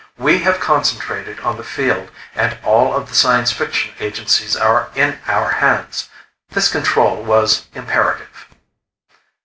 We have concentrated on the field and all of the science fiction agencies are in our hands. This control was imperative."